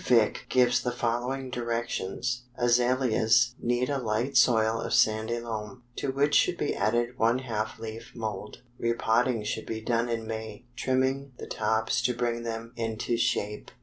Vick gives the following directions: "Azaleas need a light soil of sandy loam, to which should be added one half leaf mold. Repotting should be done in May, trimming the tops to bring them into shape.